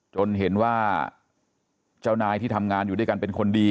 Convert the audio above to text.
จนเห็นว่าเจ้านายที่ทำงานอยู่ด้วยกันเป็นคนดี